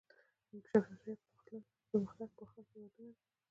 انکشاف یافته یا د پرمختګ په حال هیوادونه دي.